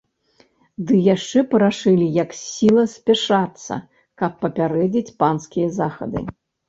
Ды яшчэ парашылі як сіла спяшацца, каб папярэдзіць панскія захады.